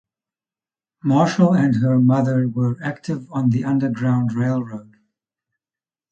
Marshall and her mother were active on the Underground Railroad.